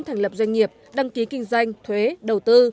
thành lập doanh nghiệp đăng ký kinh doanh thuế đầu tư